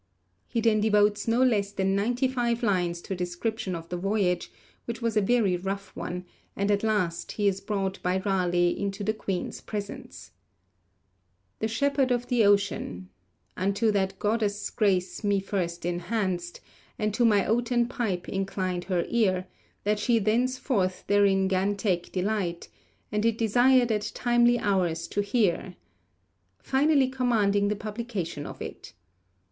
He then devotes no less than ninety five lines to a description of the voyage, which was a very rough one, and at last he is brought by Raleigh into the Queen's presence: The shepherd of the ocean ... Unto that goddess' grace me first enhanced, And to my oaten pipe inclined her ear, That she thenceforth therein gan take delight, And it desired at timely hours to hear, finally commanding the publication of it.